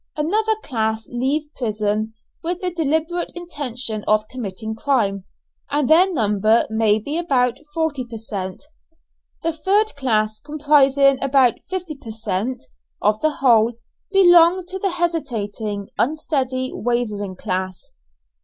Another class leave prison with the deliberate intention of committing crime, and their number may be about forty per cent. The third class, comprising about fifty per cent. of the whole, belong to the hesitating, unsteady, wavering class.